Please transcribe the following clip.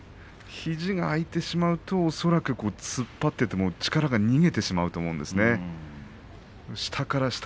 肘が空いてしまうと恐らく突っ張っていっても力が逃げてしまっているんでしょうね。